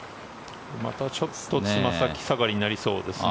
またちょっとつま先下がりになりそうですね。